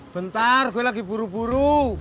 bentar gue lagi buru buru